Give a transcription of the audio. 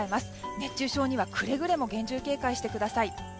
熱中症には、くれぐれも厳重警戒してください。